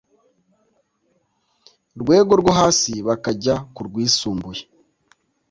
rwego rwo hasi bakajya ku rwisumbuye